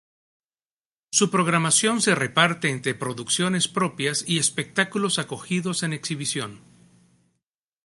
Su programación se reparte entre producciones propias y espectáculos acogidos en exhibición.